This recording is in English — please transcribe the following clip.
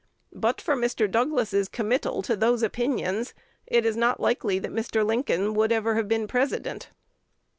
But for Mr. Douglas's committal to those opinions, it is not likely that. Mr. Lincoln would ever have been President.